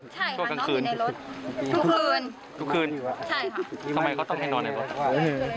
ชั่วครั้งคืนทุกคืนใช่ค่ะทำไมเขาต้องให้นอนในรถ